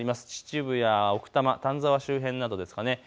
秩父や奥多摩、丹沢周辺などです。